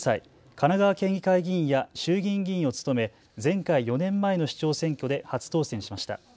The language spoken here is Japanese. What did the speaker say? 神奈川県議会議員や衆議院議員を務め、前回４年前の市長選挙で初当選しました。